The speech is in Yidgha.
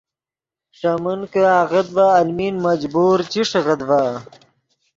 ݰے من کہ آغت ڤے المین مجبور چی ݰیغیت ڤے